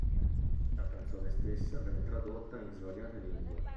La canzone stessa venne tradotta in svariate lingue.